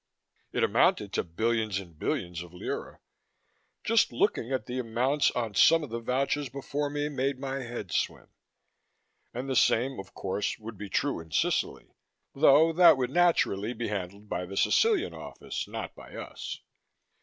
It amounted to billions and billions of lire. Just looking at the amounts on some of the vouchers before me made my head swim. And the same, of course, would be true in Sicily. Though that would naturally be handled by the Sicilian office, not by us.